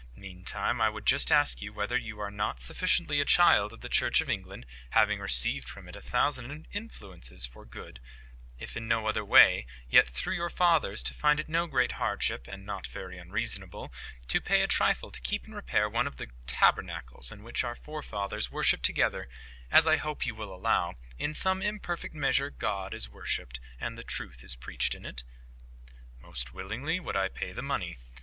Meantime, I would just ask you whether you are not sufficiently a child of the Church of England, having received from it a thousand influences for good, if in no other way, yet through your fathers, to find it no great hardship, and not very unreasonable, to pay a trifle to keep in repair one of the tabernacles in which our forefathers worshipped together, if, as I hope you will allow, in some imperfect measure God is worshipped, and the truth is preached in it?" "Most willingly would I pay the money.